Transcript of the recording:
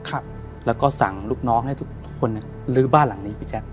ครับแล้วก็สั่งลูกน้องให้ทุกทุกคนเนี่ยลื้อบ้านหลังนี้พี่แจ๊ค